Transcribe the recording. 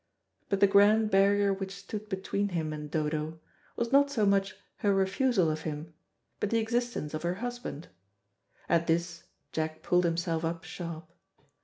But the grand barrier which stood between him and Dodo, was not so much her refusal of him, but the existence of her husband. At this Jack pulled himself up sharp.